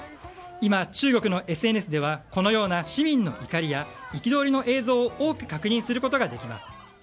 今、中国のＳＮＳではこのような市民の怒りや憤りの映像を多く確認することができます。